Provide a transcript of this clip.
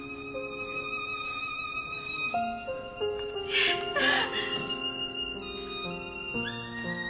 やったー